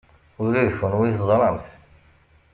Ula d kenwi teẓram-t.